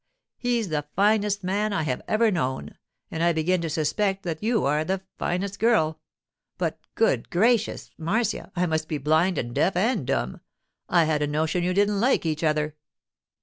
He's the finest man I have ever known, and I begin to suspect that you are the finest girl. But—good gracious! Marcia, I must be blind and deaf and dumb. I had a notion you didn't like each other.